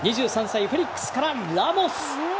２３歳フェリックスからラモス！